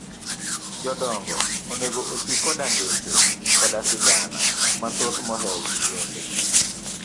jodongo onego oti koda ngeche koda sigana mathoth mohewo kijende.